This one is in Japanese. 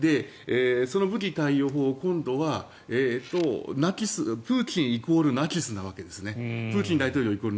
その武器貸与法を今度はプーチン大統領イコールナチスなわけです。